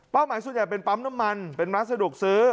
หมายส่วนใหญ่เป็นปั๊มน้ำมันเป็นร้านสะดวกซื้อ